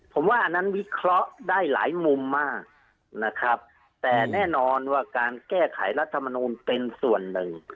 ผมว่าอันนั้นวิเคราะห์ได้หลายมุมมากนะครับแต่แน่นอนว่าการแก้ไขรัฐมนูลเป็นส่วนหนึ่ง